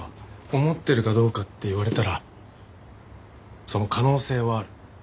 思ってるかどうかって言われたらその可能性はある。